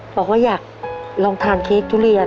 บอกว่าอยากลองทานเค้กทุเรียน